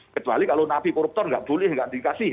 kecuali kalau napi koruptor nggak boleh nggak dikasih